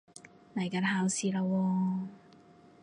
嚟緊考試喇喎